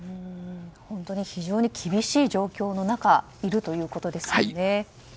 本当、非常に厳しい状況の中にいるということですね。